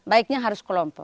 baiknya harus kelompok